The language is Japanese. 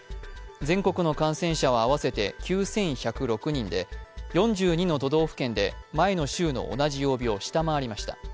全国の感染者は合わせて９１０６人で４２の都道府県で前の週の同じ曜日を下回りました。